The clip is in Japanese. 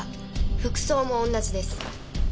服装も同じです。